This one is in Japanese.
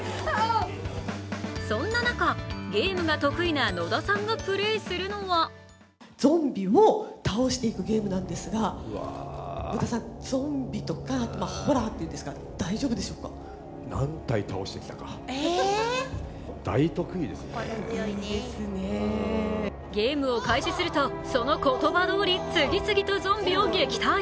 そんな中、ゲームが得意な野田さんがプレーするのはゲームを開始すると、その言葉どおり次々とゾンビを撃退。